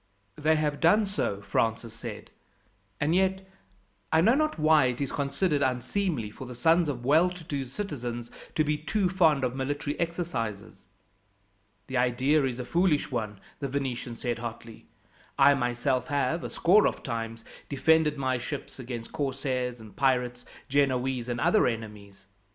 "They have done so," Francis said; "and yet, I know not why, it is considered unseemly for the sons of well to do citizens to be too fond of military exercises." "The idea is a foolish one," the Venetian said hotly. "I myself have, a score of times, defended my ships against corsairs and pirates, Genoese, and other enemies.